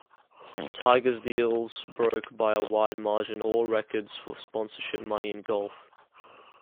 Tiger's deals broke by a wide margin all records for sponsorship money in golf.